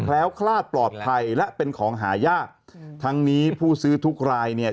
คลาดปลอดภัยและเป็นของหายากทั้งนี้ผู้ซื้อทุกรายเนี่ย